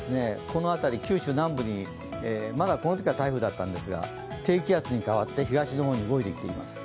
この辺り、九州南部にまだこのときは台風だったんですが低気圧に変わって東の方に動いてきています。